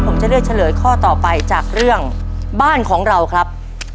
ผมจะเลือกเฉลยข้อต่อไปจากเรื่องบ้านของเราครับ